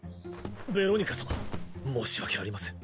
ベロニカ様申し訳ありません。